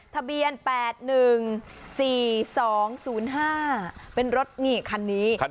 ทะเบียน๘๑๔๒๐๕เป็นรถนี่คันนี้